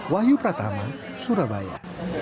wahyu pratama surabaya